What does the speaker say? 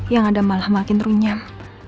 yang ada malah makin runyam